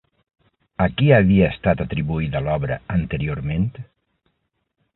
A qui havia estat atribuïda l'obra anteriorment?